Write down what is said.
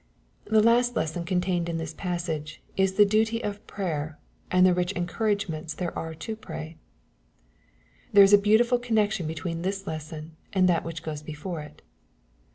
The last lesson contained in this passage is the ditty of prayer J and the rich encouragements there are to pray. There is a beautiful connection between this lesson and that which goes before it.